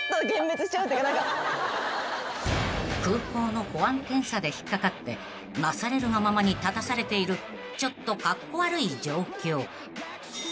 ［空港の保安検査で引っ掛かってなされるがままに立たされているちょっとカッコ悪い状況］